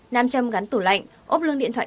nam châm gắn tủ lạnh ốp lương điện thoại